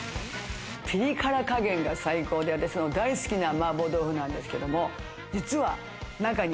ピリ辛加減が最高で私の大好きな麻婆豆腐なんですけど、実は中に、